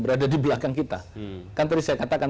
berada di belakang kita kan tadi saya katakan